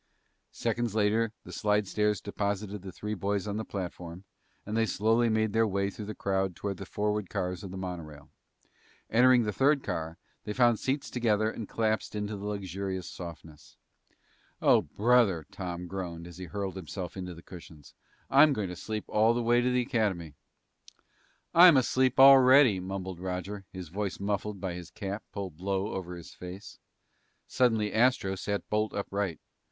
Seconds later, the slidestairs deposited the three boys on the platform and they slowly made their way through the crowd toward the forward cars of the monorail. Entering the third car, they found three seats together and collapsed into their luxurious softness. "Oh, brother!" Tom groaned as he curled himself into the cushions, "I'm going to sleep all the way to the Academy." "I'm asleep already," mumbled Roger, his voice muffled by his cap pulled low over his face. Suddenly Astro sat bolt upright.